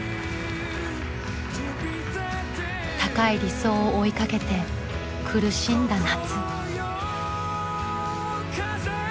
高い理想を追いかけて苦しんだ夏。